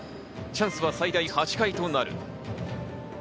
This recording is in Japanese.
チャンスは最大８回となる。